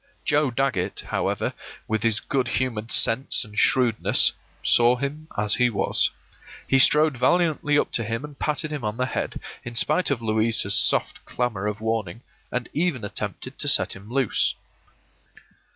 Joe Dagget, however, with his good humored sense and shrewdness, saw him as he was. He strode valiantly up to him and patted him on the head, in spite of Louisa's soft clamor of warning, and even attempted to set him loose.